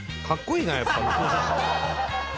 かっこいい。